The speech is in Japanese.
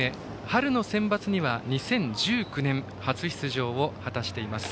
春のセンバツには２０１９年初出場を果たしています。